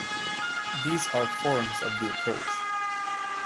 These are forms of the approach.